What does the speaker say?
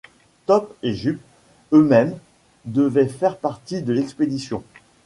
Top et Jup, eux-mêmes, devaient faire partie de l’expédition